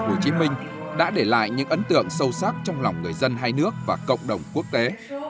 hồ chí minh đã để lại những ấn tượng sâu sắc trong lòng người dân hai nước và cộng đồng quốc tế